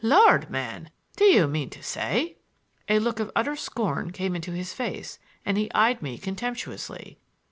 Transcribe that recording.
Lord man, do you mean to say—" A look of utter scorn came into his face, and he eyed me contemptuously.